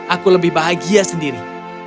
aku lebih bahagia sendiri